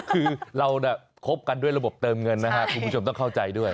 คือเราคบกันด้วยระบบเติมเงินนะครับคุณผู้ชมต้องเข้าใจด้วย